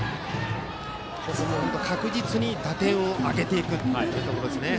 確実に打点を挙げていくということですね。